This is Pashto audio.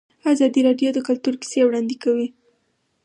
ازادي راډیو د کلتور کیسې وړاندې کړي.